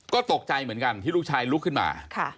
ก็ตกใจเหมือนกันที่ลูกชายลุกขึ้นมา